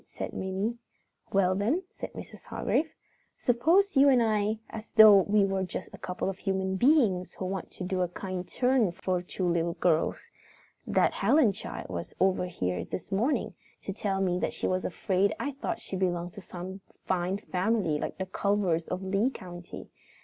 said Minnie. "Well, then," said Mrs. Hargrave, "suppose you and I talk as though we were just a couple of human beings who want to do a kind turn for two little girls. That Helen child was over here this morning, to tell me that she was afraid I thought she belonged to some fine family like the Culvers of Lee County.